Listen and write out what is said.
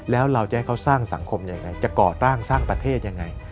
แล้วเราจะให้เขาสร้างสังคมยังไงจะก่อสร้างสร้างประเทศยังไง